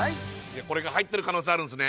これが入ってる可能性あるんすね